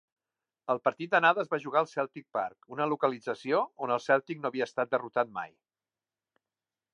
El partit d'anada es va jugar al Celtic Park, una localització on el Celtic no havia estat derrotat mai.